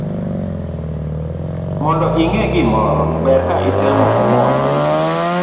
Mondo inge gimoro ber ka itemo omondi